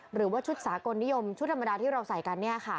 หรือว่าชุดสากลนิยมชุดธรรมดาที่เราใส่กัน